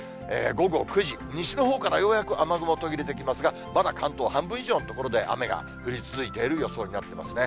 午後９時、西のほうからようやく雨雲途切れてきますが、まだ関東、半分以上の所で雨が降り続いている予想になっていますね。